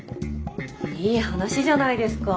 いい話じゃないですか。